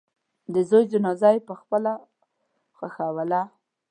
د زوی جنازه یې پخپله ښخوله.